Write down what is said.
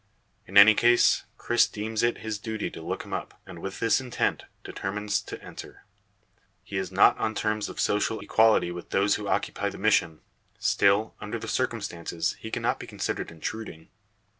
In any case, Cris deems it his duty to look him up; and with this intent determines to enter. He is not on terms of social equality with those who occupy the mission; still, under the circumstances, he cannot be considered intruding.